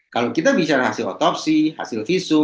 kalau kita bicara hasil otopsi hasil visu